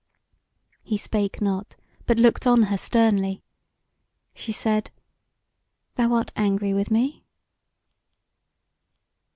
He spake not, but looked on her sternly. She said: "Thou art angry with me?"